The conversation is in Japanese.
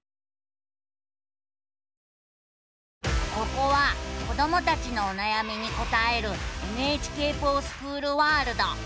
ここは子どもたちのおなやみに答える「ＮＨＫｆｏｒＳｃｈｏｏｌワールド」。